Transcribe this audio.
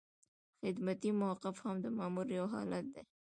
خدمتي موقف هم د مامور یو حالت دی.